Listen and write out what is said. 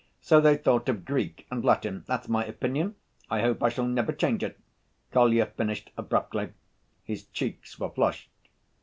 So they thought of Greek and Latin. That's my opinion, I hope I shall never change it," Kolya finished abruptly. His cheeks were flushed.